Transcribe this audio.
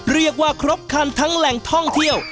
เรียกว่าครบคันทั้งแหล่งท่องเที่ยว